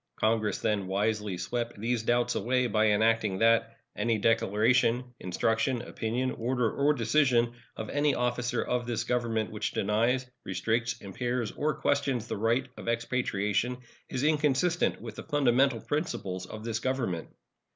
Congress then wisely swept these doubts away by enacting that Any declaration, instruction, opinion, order, or decision of any officer of this Government which denies, restricts, impairs, or questions the right of expatriation is inconsistent with the fundamental principles of this Government.